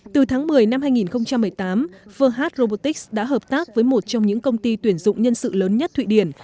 từ tháng một mươi năm hai nghìn một mươi tám fahed robotics đã hợp tác với một trong những công ty tuyển dụng nhân sự lớn nhất thụy điển